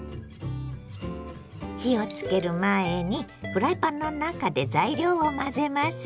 火をつける前にフライパンの中で材料を混ぜます。